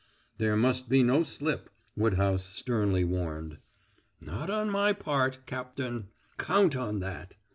"There must be no slip," Woodhouse sternly warned. "Not on my part, Cap tain count on that.